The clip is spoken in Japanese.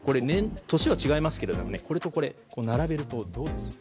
年は違いますけれども並べるとどうですか。